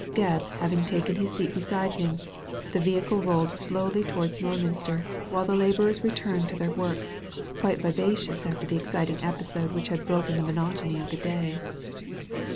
Gebb having taken his seat beside him, the vehicle rolled slowly towards Norminster, while the labourers returned to their work, quite vivacious after the exciting episode which had broken the monotony of the day.